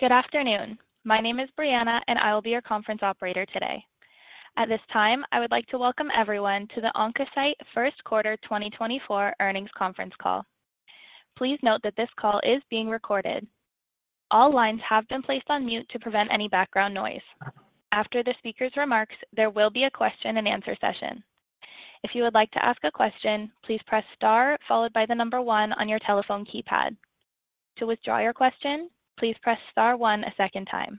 Good afternoon. My name is Brianna, and I will be your conference operator today. At this time, I would like to welcome everyone to the Oncocyte First Quarter 2024 Earnings Conference Call. Please note that this call is being recorded. All lines have been placed on mute to prevent any background noise. After the speaker's remarks, there will be a question and answer session. If you would like to ask a question, please press Star followed by the number one on your telephone keypad. To withdraw your question, please press Star one a second time.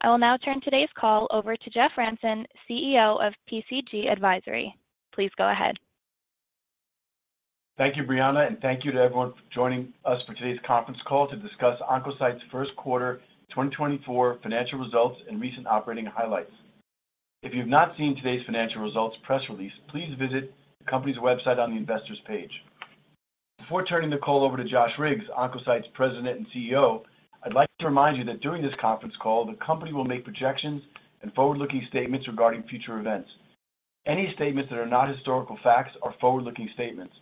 I will now turn today's call over to Jeff Ramson, CEO of PCG Advisory. Please go ahead. Thank you, Brianna, and thank you to everyone for joining us for today's conference call to discuss Oncocyte's first quarter 2024 financial results and recent operating highlights. If you've not seen today's financial results press release, please visit the company's website on the investor's page. Before turning the call over to Josh Riggs, Oncocyte's President and CEO, I'd like to remind you that during this conference call, the company will make projections and forward-looking statements regarding future events. Any statements that are not historical facts are forward-looking statements.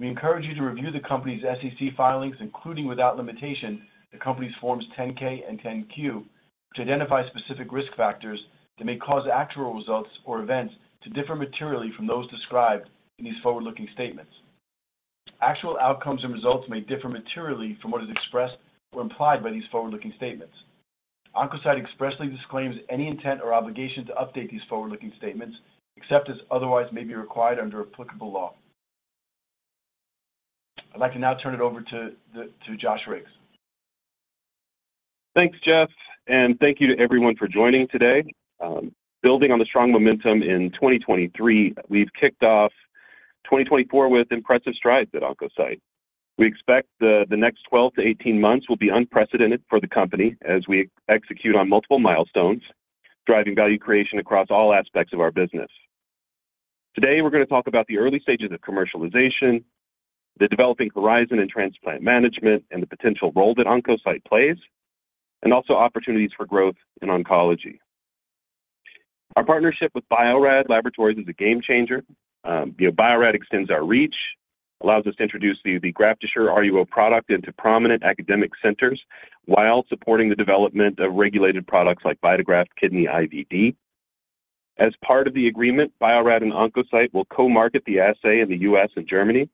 We encourage you to review the company's SEC filings, including, without limitation, the company's forms 10-K and 10-Q, to identify specific risk factors that may cause actual results or events to differ materially from those described in these forward-looking statements. Actual outcomes and results may differ materially from what is expressed or implied by these forward-looking statements. Oncocyte expressly disclaims any intent or obligation to update these forward-looking statements, except as otherwise may be required under applicable law. I'd like to now turn it over to Josh Riggs. Thanks, Jeff, and thank you to everyone for joining today. Building on the strong momentum in 2023, we've kicked off 2024 with impressive strides at Oncocyte. We expect the next 12-18 months will be unprecedented for the company as we execute on multiple milestones, driving value creation across all aspects of our business. Today, we're going to talk about the early stages of commercialization, the developing horizon in transplant management, and the potential role that Oncocyte plays, and also opportunities for growth in oncology. Our partnership with Bio-Rad Laboratories is a game changer. You know, Bio-Rad extends our reach, allows us to introduce the GraftAssure RUO product into prominent academic centers while supporting the development of regulated products like VitaGraft Kidney IVD. As part of the agreement, Bio-Rad and Oncocyte will co-market the assay in the U.S. and Germany,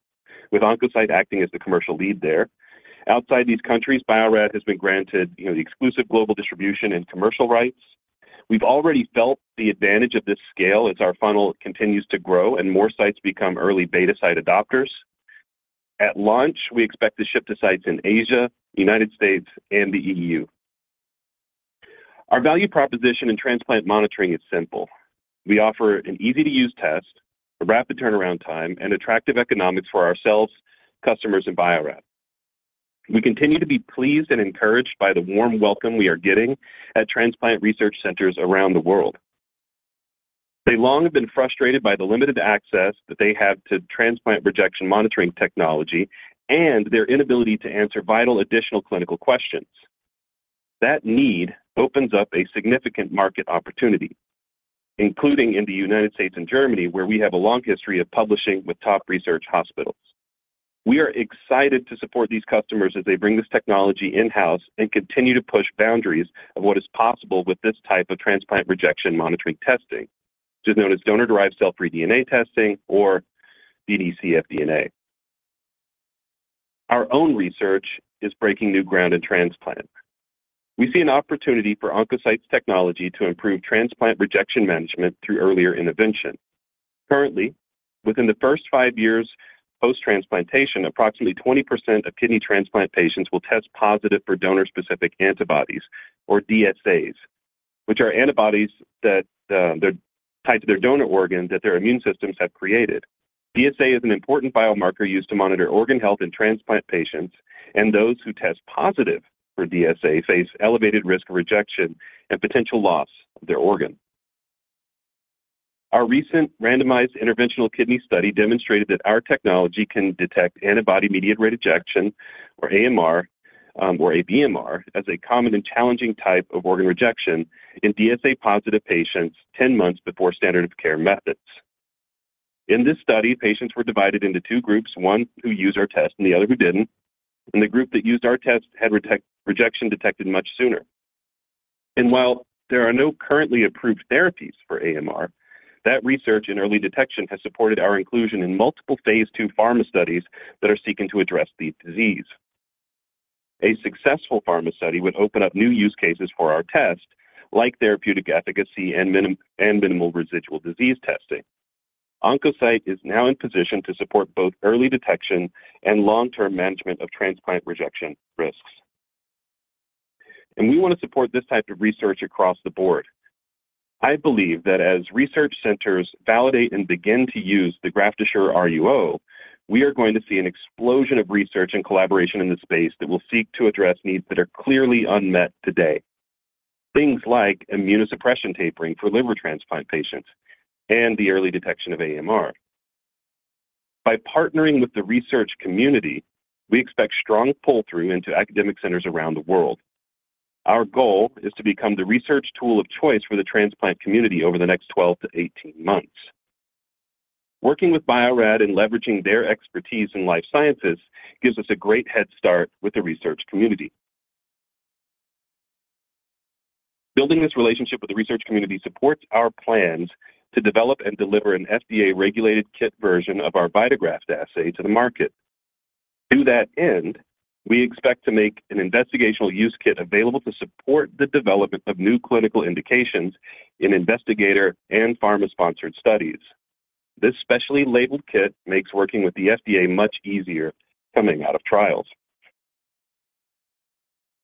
with Oncocyte acting as the commercial lead there. Outside these countries, Bio-Rad has been granted, you know, the exclusive global distribution and commercial rights. We've already felt the advantage of this scale as our funnel continues to grow and more sites become early beta site adopters. At launch, we expect to ship to sites in Asia, United States, and the EU. Our value proposition in transplant monitoring is simple. We offer an easy-to-use test, a rapid turnaround time, and attractive economics for ourselves, customers, and Bio-Rad. We continue to be pleased and encouraged by the warm welcome we are getting at transplant research centers around the world. They long have been frustrated by the limited access that they have to transplant rejection monitoring technology and their inability to answer vital additional clinical questions. That need opens up a significant market opportunity, including in the United States and Germany, where we have a long history of publishing with top research hospitals. We are excited to support these customers as they bring this technology in-house and continue to push boundaries of what is possible with this type of transplant rejection monitoring testing, which is known as donor-derived cell-free DNA testing or dd-cfDNA. Our own research is breaking new ground in transplant. We see an opportunity for Oncocyte's technology to improve transplant rejection management through earlier intervention. Currently, within the first five years post-transplantation, approximately 20% of kidney transplant patients will test positive for donor-specific antibodies, or DSAs, which are antibodies that, they're tied to their donor organ that their immune systems have created. DSA is an important biomarker used to monitor organ health in transplant patients, and those who test positive for DSA face elevated risk of rejection and potential loss of their organ. Our recent randomized interventional kidney study demonstrated that our technology can detect antibody-mediated rejection, or AMR, or ABMR, as a common and challenging type of organ rejection in DSA-positive patients 10 months before standard of care methods. In this study, patients were divided into two groups, one who use our test and the other who didn't. The group that used our test had rejection detected much sooner. While there are no currently approved therapies for AMR, that research in early detection has supported our inclusion in multiple phase II pharma studies that are seeking to address the disease. A successful pharma study would open up new use cases for our test, like therapeutic efficacy and minimal residual disease testing. Oncocyte is now in position to support both early detection and long-term management of transplant rejection risks. We want to support this type of research across the board. I believe that as research centers validate and begin to use the GraftAssure RUO, we are going to see an explosion of research and collaboration in this space that will seek to address needs that are clearly unmet today. Things like immunosuppression tapering for liver transplant patients and the early detection of AMR. By partnering with the research community, we expect strong pull-through into academic centers around the world. Our goal is to become the research tool of choice for the transplant community over the next 12-18 months. Working with Bio-Rad and leveraging their expertise in life sciences gives us a great head start with the research community. Building this relationship with the research community supports our plans to develop and deliver an FDA-regulated kit version of our VitaGraft assay to the market. To that end, we expect to make an investigational use kit available to support the development of new clinical indications in investigator and pharma-sponsored studies. This specially labeled kit makes working with the FDA much easier coming out of trials.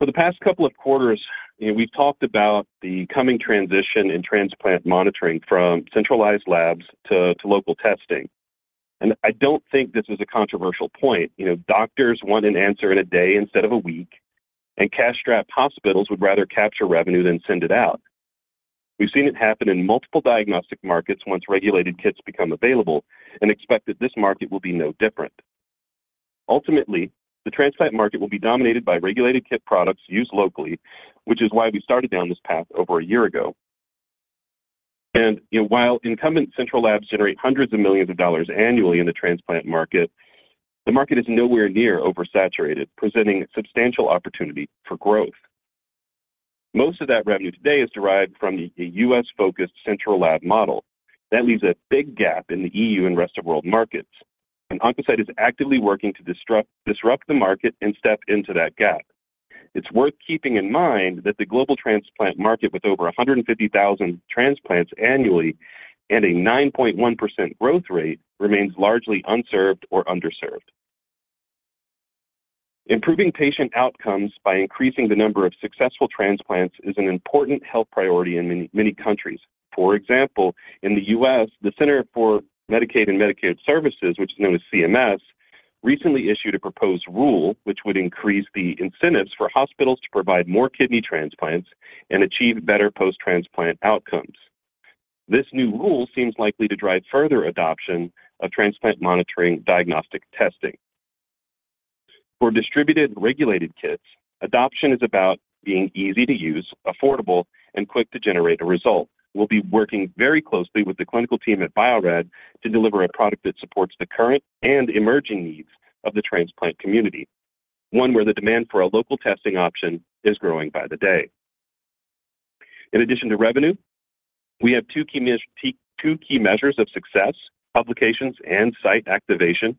For the past couple of quarters, we've talked about the coming transition in transplant monitoring from centralized labs to local testing, and I don't think this is a controversial point. You know, doctors want an answer in a day instead of a week, and cash-strapped hospitals would rather capture revenue than send it out. We've seen it happen in multiple diagnostic markets, once regulated kits become available, and expect that this market will be no different. Ultimately, the transplant market will be dominated by regulated kit products used locally, which is why we started down this path over a year ago. You know, while incumbent central labs generate hundreds of millions dollars annually in the transplant market, the market is nowhere near oversaturated, presenting substantial opportunity for growth. Most of that revenue today is derived from the U.S.-focused central lab model. That leaves a big gap in the EU and rest-of-world markets, and Oncocyte is actively working to disrupt the market and step into that gap. It's worth keeping in mind that the global transplant market, with over 150,000 transplants annually and a 9.1% growth rate, remains largely unserved or underserved. Improving patient outcomes by increasing the number of successful transplants is an important health priority in many, many countries. For example, in the U.S., the Centers for Medicare and Medicaid Services, which is known as CMS, recently issued a proposed rule which would increase the incentives for hospitals to provide more kidney transplants and achieve better post-transplant outcomes. This new rule seems likely to drive further adoption of transplant monitoring diagnostic testing. For distributed regulated kits, adoption is about being easy to use, affordable, and quick to generate a result. We'll be working very closely with the clinical team at Bio-Rad to deliver a product that supports the current and emerging needs of the transplant community, one where the demand for a local testing option is growing by the day. In addition to revenue, we have two key measures of success: publications and site activation.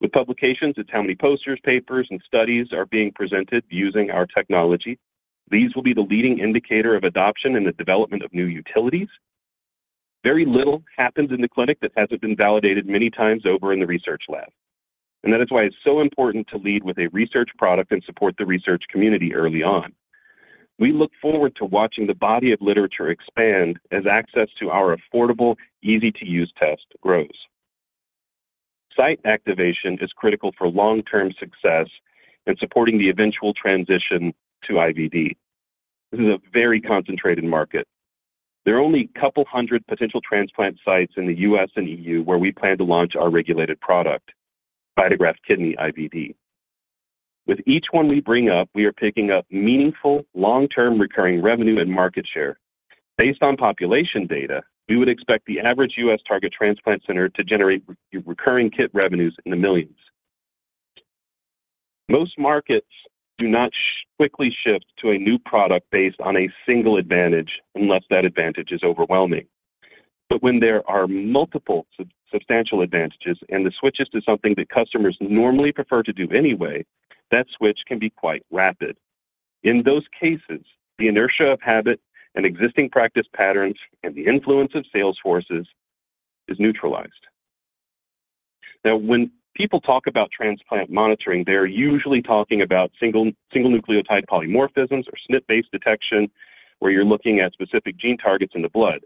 With publications, it's how many posters, papers, and studies are being presented using our technology. These will be the leading indicator of adoption and the development of new utilities. Very little happens in the clinic that hasn't been validated many times over in the research lab, and that is why it's so important to lead with a research product and support the research community early on. We look forward to watching the body of literature expand as access to our affordable, easy-to-use test grows. Site activation is critical for long-term success in supporting the eventual transition to IVD. This is a very concentrated market. There are only a couple hundred potential transplant sites in the U.S. and EU where we plan to launch our regulated product, VitaGraft Kidney IVD. With each one we bring up, we are picking up meaningful, long-term, recurring revenue and market share. Based on population data, we would expect the average U.S. target transplant center to generate recurring kit revenues in the millions. Most markets do not quickly shift to a new product based on a single advantage, unless that advantage is overwhelming. But when there are multiple substantial advantages and the switch is to something that customers normally prefer to do anyway, that switch can be quite rapid. In those cases, the inertia of habit and existing practice patterns and the influence of sales forces is neutralized. Now, when people talk about transplant monitoring, they're usually talking about single nucleotide polymorphisms or SNP-based detection, where you're looking at specific gene targets in the blood.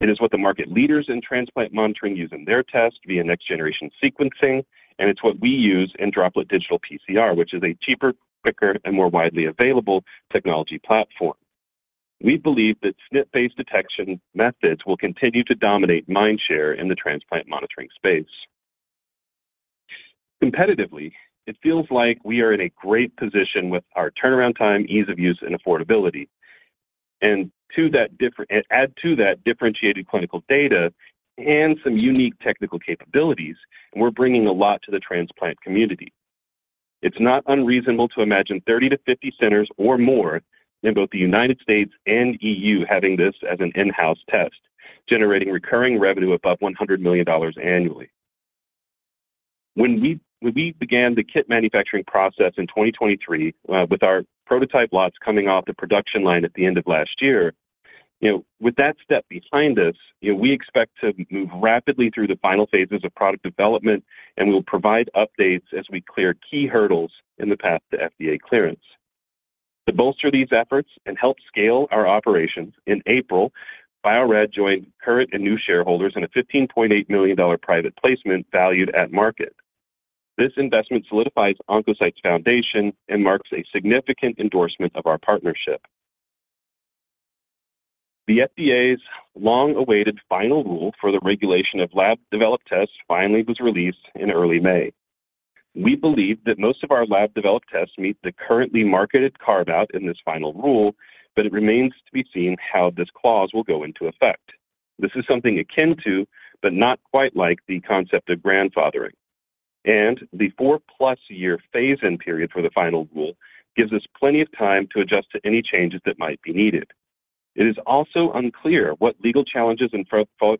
It is what the market leaders in transplant monitoring use in their test via next-generation sequencing, and it's what we use in droplet digital PCR, which is a cheaper, quicker, and more widely available technology platform. We believe that SNP-based detection methods will continue to dominate mind share in the transplant monitoring space. Competitively, it feels like we are in a great position with our turnaround time, ease of use, and affordability. Add to that differentiated clinical data and some unique technical capabilities, and we're bringing a lot to the transplant community. It's not unreasonable to imagine 30-50 centers or more in both the United States and EU having this as an in-house test, generating recurring revenue above $100 million annually. When we, when we began the kit manufacturing process in 2023, with our prototype lots coming off the production line at the end of last year, you know, with that step behind us, you know, we expect to move rapidly through the final phases of product development, and we will provide updates as we clear key hurdles in the path to FDA clearance. To bolster these efforts and help scale our operations, in April, Bio-Rad joined current and new shareholders in a $15.8 million private placement valued at market. This investment solidifies Oncocyte's foundation and marks a significant endorsement of our partnership. The FDA's long-awaited final rule for the regulation of lab-developed tests finally was released in early May. We believe that most of our lab-developed tests meet the currently marketed carve-out in this final rule, but it remains to be seen how this clause will go into effect. This is something akin to, but not quite like, the concept of grandfathering, and the four-plus year phase-in period for the final rule gives us plenty of time to adjust to any changes that might be needed. It is also unclear what legal challenges and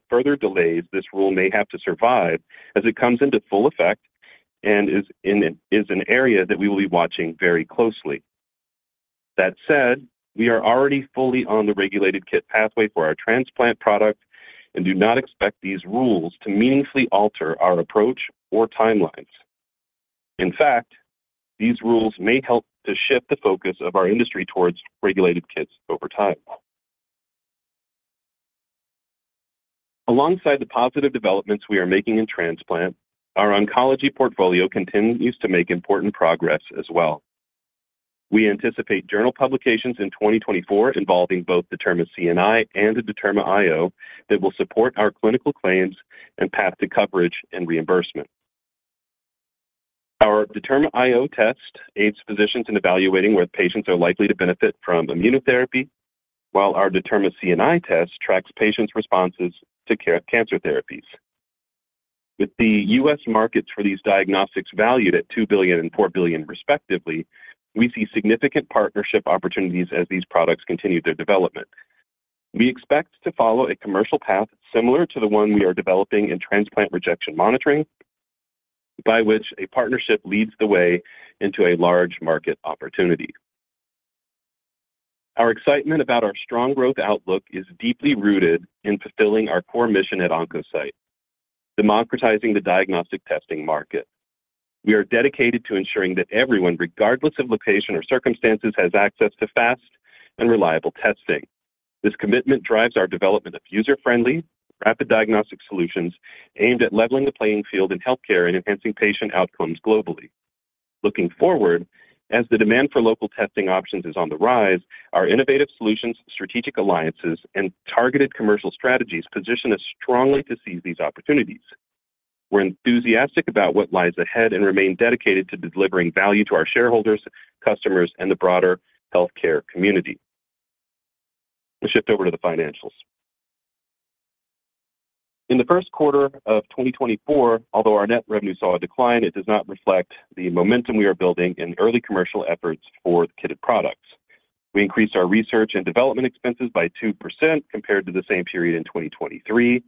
further delays this rule may have to survive as it comes into full effect and is an area that we will be watching very closely. That said, we are already fully on the regulated kit pathway for our transplant product and do not expect these rules to meaningfully alter our approach or timelines. In fact, these rules may help to shift the focus of our industry towards regulated kits over time. Alongside the positive developments we are making in transplant, our oncology portfolio continues to make important progress as well. We anticipate journal publications in 2024 involving both DetermaCNI and the DetermaIO that will support our clinical claims and path to coverage and reimbursement. Our DetermaIO test aids physicians in evaluating whether patients are likely to benefit from immunotherapy, while our DetermaCNI test tracks patients' responses to cancer therapies. With the U.S. markets for these diagnostics valued at $2 billion and $4 billion respectively, we see significant partnership opportunities as these products continue their development. We expect to follow a commercial path similar to the one we are developing in transplant rejection monitoring, by which a partnership leads the way into a large market opportunity. Our excitement about our strong growth outlook is deeply rooted in fulfilling our core mission at Insight Molecular Diagnostics, democratizing the diagnostic testing market. We are dedicated to ensuring that everyone, regardless of location or circumstances, has access to fast and reliable testing. This commitment drives our development of user-friendly, rapid diagnostic solutions aimed at leveling the playing field in healthcare and enhancing patient outcomes globally. Looking forward, as the demand for local testing options is on the rise, our innovative solutions, strategic alliances, and targeted commercial strategies position us strongly to seize these opportunities. We're enthusiastic about what lies ahead and remain dedicated to delivering value to our shareholders, customers, and the broader healthcare community. Let's shift over to the financials. In the first quarter of 2024, although our net revenue saw a decline, it does not reflect the momentum we are building in early commercial efforts for the kitted products. We increased our research and development expenses by 2% compared to the same period in 2023.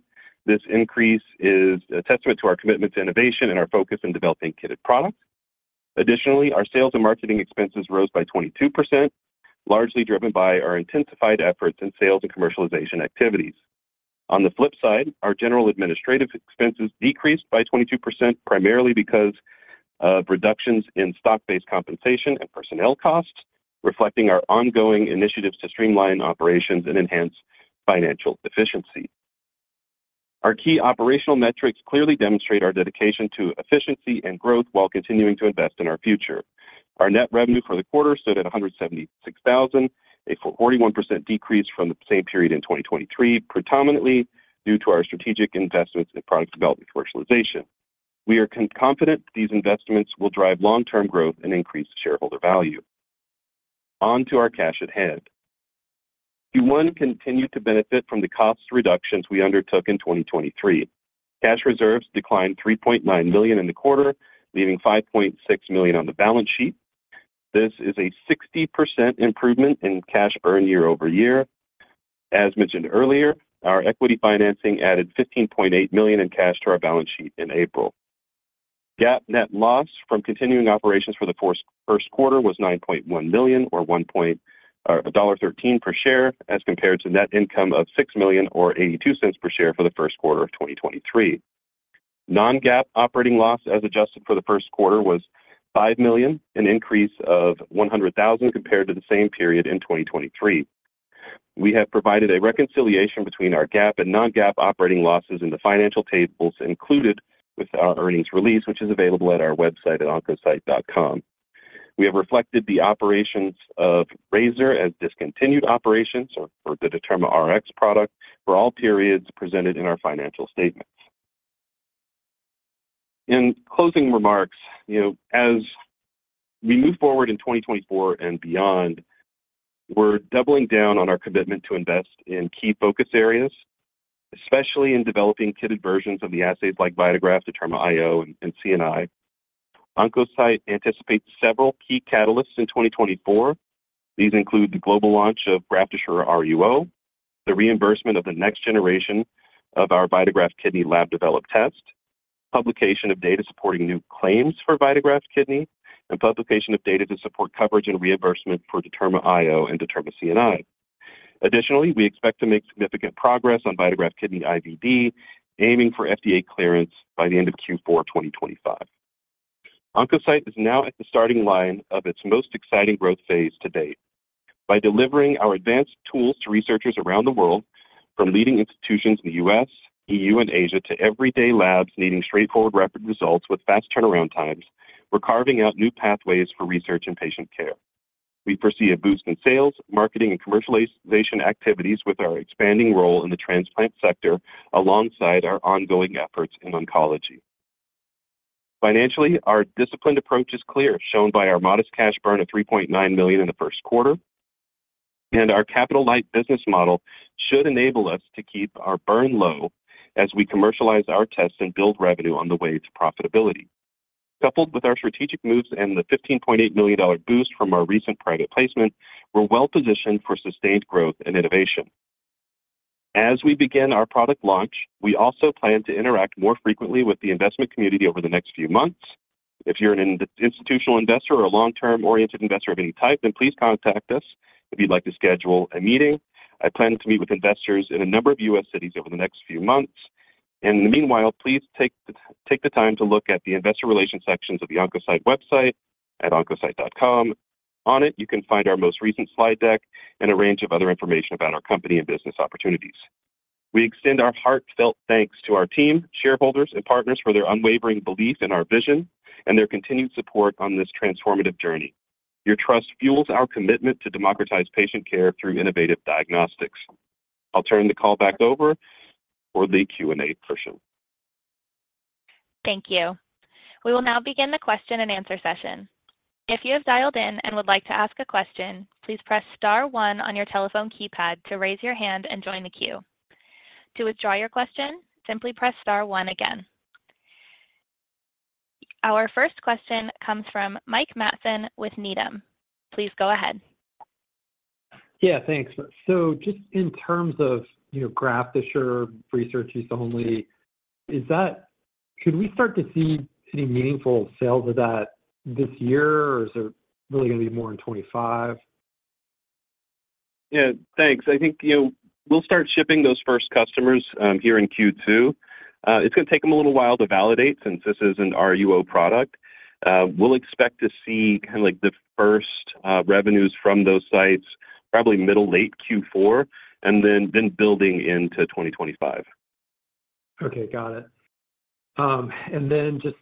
This increase is a testament to our commitment to innovation and our focus on developing kitted products. Additionally, our sales and marketing expenses rose by 22%, largely driven by our intensified efforts in sales and commercialization activities. On the flip side, our general administrative expenses decreased by 22%, primarily because of reductions in stock-based compensation and personnel costs, reflecting our ongoing initiatives to streamline operations and enhance financial efficiency. Our key operational metrics clearly demonstrate our dedication to efficiency and growth while continuing to invest in our future. Our net revenue for the quarter stood at $176,000, a 41% decrease from the same period in 2023, predominantly due to our strategic investments in product development commercialization. We are confident that these investments will drive long-term growth and increase shareholder value. On to our cash at hand. Q1 continued to benefit from the cost reductions we undertook in 2023. Cash reserves declined $3.9 million in the quarter, leaving $5.6 million on the balance sheet. This is a 60% improvement in cash earned year-over-year. As mentioned earlier, our equity financing added $15.8 million in cash to our balance sheet in April. GAAP net loss from continuing operations for the first quarter was $9.1 million, or $1.13 per share, as compared to net income of $6 million, or $0.82 per share for the first quarter of 2023. Non-GAAP operating loss as adjusted for the first quarter was $5 million, an increase of $100,000 compared to the same period in 2023. We have provided a reconciliation between our GAAP and non-GAAP operating losses in the financial tables included with our earnings release, which is available at our website at oncocyte.com. We have reflected the operations of Razor as discontinued operations or the DetermaRx product for all periods presented in our financial statements. In closing remarks, you know, as we move forward in 2024 and beyond, we're doubling down on our commitment to invest in key focus areas, especially in developing kitted versions of the assays like VitaGraft, DetermaIO, and CNI. Oncocyte anticipates several key catalysts in 2024. These include the global launch of GraftAssure RUO, the reimbursement of the next generation of our VitaGraft Kidney lab-developed test, publication of data supporting new claims for VitaGraft Kidney, and publication of data to support coverage and reimbursement for DetermaIO and DetermaCNI. Additionally, we expect to make significant progress on VitaGraft Kidney IVD, aiming for FDA clearance by the end of Q4 2025. Oncocyte is now at the starting line of its most exciting growth phase to date. By delivering our advanced tools to researchers around the world, from leading institutions in the US, EU, and Asia, to everyday labs needing straightforward, rapid results with fast turnaround times, we're carving out new pathways for research and patient care. We foresee a boost in sales, marketing, and commercialization activities with our expanding role in the transplant sector, alongside our ongoing efforts in oncology. Financially, our disciplined approach is clear, shown by our modest cash burn of $3.9 million in the first quarter. Our capital-light business model should enable us to keep our burn low as we commercialize our tests and build revenue on the way to profitability. Coupled with our strategic moves and the $15.8 million dollar boost from our recent private placement, we're well positioned for sustained growth and innovation. As we begin our product launch, we also plan to interact more frequently with the investment community over the next few months. If you're an institutional investor or a long-term oriented investor of any type, then please contact us if you'd like to schedule a meeting. I plan to meet with investors in a number of U.S. cities over the next few months, and in the meanwhile, please take the time to look at the investor relations sections of the Oncocyte website at oncocyte.com. On it, you can find our most recent slide deck and a range of other information about our company and business opportunities. We extend our heartfelt thanks to our team, shareholders, and partners for their unwavering belief in our vision and their continued support on this transformative journey. Your trust fuels our commitment to democratize patient care through innovative diagnostics. I'll turn the call back over for the Q&A portion. Thank you. We will now begin the question and answer session. If you have dialed in and would like to ask a question, please press star one on your telephone keypad to raise your hand and join the queue. To withdraw your question, simply press star one again. Our first question comes from Mike Matson with Needham. Please go ahead. Yeah, thanks. So just in terms of, you know, GraftAssure research use only, is that? Could we start to see any meaningful sales of that this year, or is it really going to be more in 2025? Yeah, thanks. I think, you know, we'll start shipping those first customers here in Q2. It's going to take them a little while to validate, since this is an RUO product. We'll expect to see kind of like the first revenues from those sites, probably middle late Q4, and then building into 2025. Okay. Got it. And then just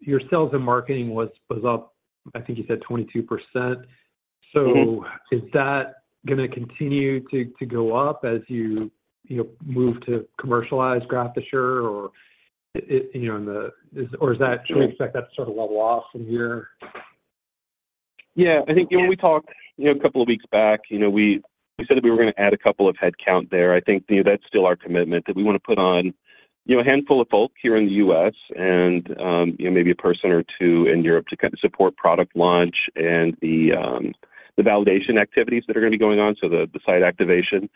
your sales and marketing was up, I think you said 22%. So is that going to continue to go up as you, you know, move to commercialize GraftAssure, or it, you know, and the... Or is that do you expect that to sort of level off from here? Yeah. I think when we talked, you know, a couple of weeks back, you know, we said that we were going to add a couple of headcount there. I think, you know, that's still our commitment, that we want to put on, you know, a handful of folk here in the U.S. and, you know, maybe a person or two in Europe to kind of support product launch and the validation activities that are going to be going on, so the site activation.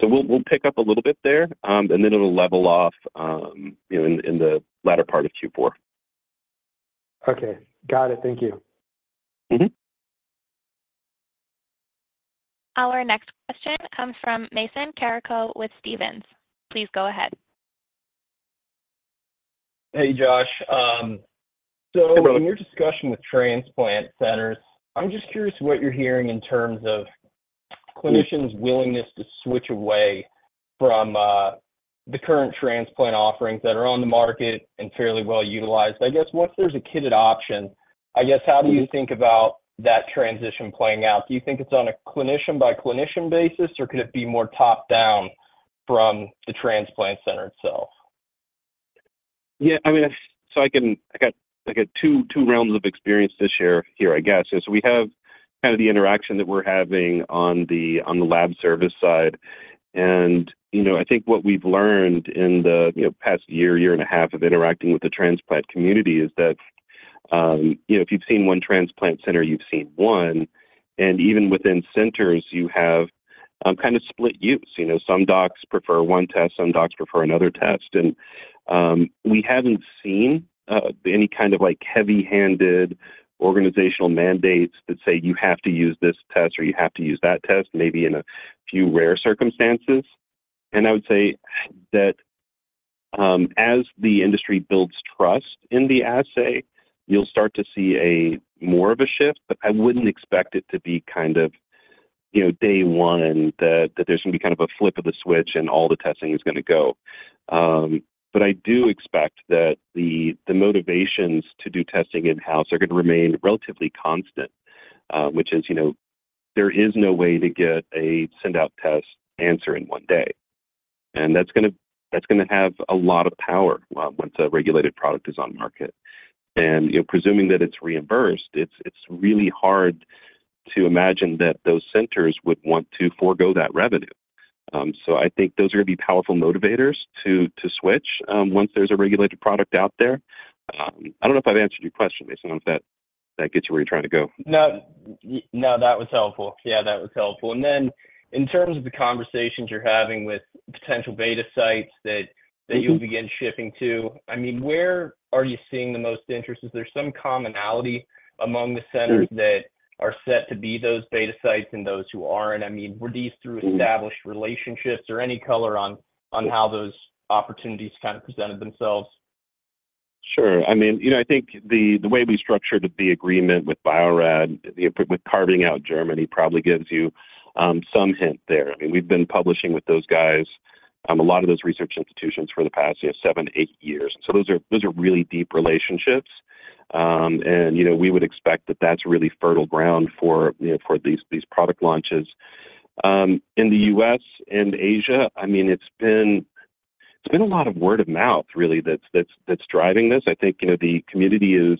So we'll pick up a little bit there, and then it'll level off, you know, in the latter part of Q4. Okay. Got it. Thank you. Our next question comes from Mason Carrico with Stephens. Please go ahead. Hey, Josh. Hey, Mason. In your discussion with transplant centers, I'm just curious what you're hearing in terms of clinicians' willingness to switch away from the current transplant offerings that are on the market and fairly well utilized. I guess, once there's a kitted option, I guess, how do you think about that transition playing out? Do you think it's on a clinician-by-clinician basis, or could it be more top-down from the transplant center itself? Yeah, I mean, so I can,I got, I got two, two realms of experience to share here, I guess. So we have kind of the interaction that we're having on the, on the lab service side. And, you know, I think what we've learned in the, you know, past year, year and a half of interacting with the transplant community is that, you know, if you've seen one transplant center, you've seen one, and even within centers, you have, kind of split use. You know, some docs prefer one test, some docs prefer another test. And, we haven't seen, any kind of, like, heavy-handed organizational mandates that say, "You have to use this test," or, "You have to use that test," maybe in a few rare circumstances. And I would say that, as the industry builds trust in the assay, you'll start to see more of a shift, but I wouldn't expect it to be kind of, you know, day one, that there's going to be kind of a flip of the switch, and all the testing is going to go. But I do expect that the motivations to do testing in-house are going to remain relatively constant, which is, you know, there is no way to get a send-out test answer in one day, and that's gonna have a lot of power, once a regulated product is on market. And, you know, presuming that it's reimbursed, it's really hard to imagine that those centers would want to forgo that revenue. So I think those are going to be powerful motivators to, to switch, once there's a regulated product out there. I don't know if I've answered your question, Mason. If that, that gets you where you're trying to go. No, no, that was helpful. Yeah, that was helpful. And then in terms of the conversations you're having with potential beta sites that you'll begin shipping to, I mean, where are you seeing the most interest? Is there some commonality among the centers that are set to be those beta sites and those who aren't? I mean, were these through established relationships or any color on, on how those opportunities kind of presented themselves? Sure. I mean, you know, I think the way we structured the agreement with Bio-Rad, with carving out Germany probably gives you some hint there. I mean, we've been publishing with those guys a lot of those research institutions for the past, you know, seven, eight years. So those are really deep relationships. And, you know, we would expect that that's really fertile ground for, you know, for these product launches. In the U.S. and Asia, I mean, it's been a lot of word of mouth really that's driving this. I think, you know, the community is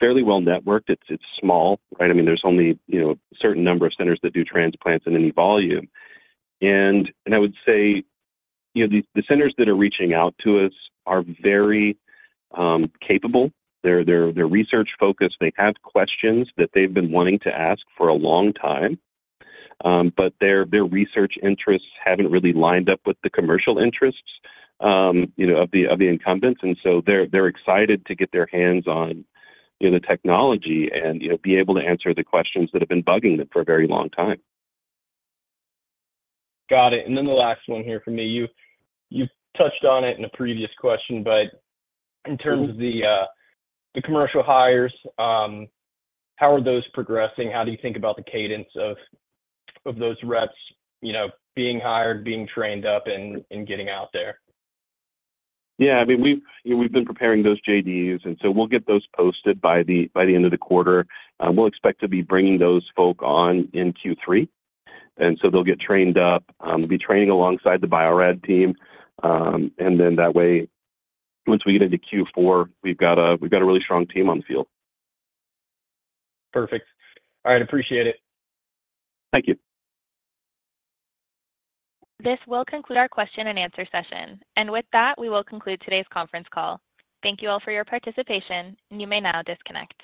fairly well networked. It's small, right? I mean, there's only, you know, a certain number of centers that do transplants in any volume. I would say, you know, the centers that are reaching out to us are very capable. They're research focused. They have questions that they've been wanting to ask for a long time, but their research interests haven't really lined up with the commercial interests, you know, of the incumbents. And so they're excited to get their hands on, you know, the technology and, you know, be able to answer the questions that have been bugging them for a very long time. Got it, and then the last one here from me: You, you touched on it in a previous question, but in terms of the commercial hires, how are those progressing? How do you think about the cadence of those reps, you know, being hired, being trained up, and getting out there? Yeah, I mean, we've, you know, we've been preparing those JDs, and so we'll get those posted by the end of the quarter. We'll expect to be bringing those folks on in Q3, and so they'll get trained up, be training alongside the Bio-Rad team. And then that way, once we get into Q4, we've got a, we've got a really strong team on the field. Perfect. All right, appreciate it. Thank you. This will conclude our question and answer session. With that, we will conclude today's conference call. Thank you all for your participation, and you may now disconnect.